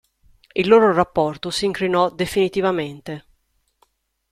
Il loro rapporto si incrinò definitivamente.